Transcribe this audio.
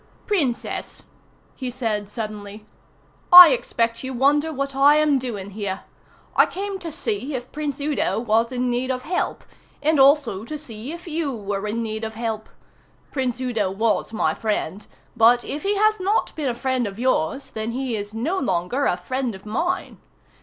"Princess," he said suddenly, "I expect you wonder what I am doing here. I came to see if Prince Udo was in need of help, and also to see if you were in need of help. Prince Udo was my friend, but if he has not been a friend of yours, then he is no longer a friend of mine.